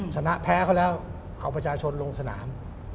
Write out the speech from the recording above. ชนะแพ้เขาแล้วเอาประชาชนลงสนาม